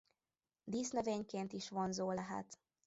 Dísznövényként is vonzó lehet.